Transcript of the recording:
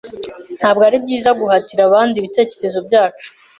Ntabwo ari byiza guhatira abandi ibitekerezo byacu.